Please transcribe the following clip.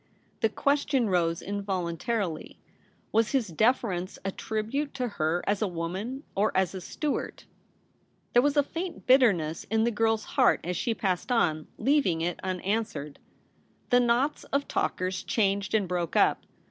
The question rose involuntarily — was his deference a tribute to her as a woman or as a Stuart ? There was a faint bitterness in the girl's heart as she passed on, leaving it unanswered. The knots of talkers changed and broke up.